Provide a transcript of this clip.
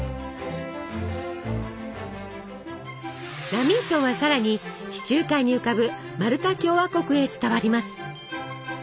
ラミントンはさらに地中海に浮かぶマルタ共和国へ伝わります。